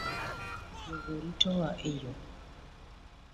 Jogo ritowa e yoo